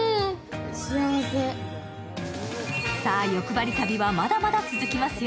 よくばり旅はまだまだ続きますよ。